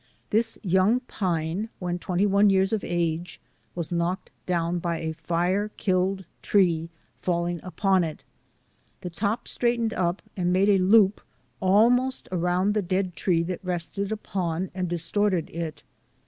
This young pine, when twenty one years of age, was knocked down by a fire killed tree falling upon it. The top straightened up and made a loop al most around the dead tree that rested upon and dis torted it.